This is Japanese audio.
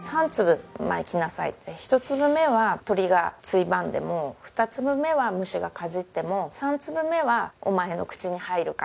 １粒目は鳥がついばんでも２粒目は虫がかじっても３粒目はお前の口に入るから。